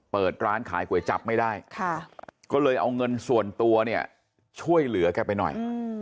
เปิดร้านขายก๋วยจับไม่ได้ก็เลยเอาเงินส่วนตัวเนี่ยช่วยเหลือแกไปหน่อย